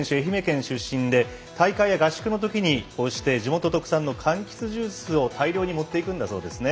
大会や合宿のときにこうして地元特産のかんきつジュースを大量に持っていくんだそうですね。